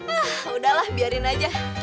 ah udahlah biarin aja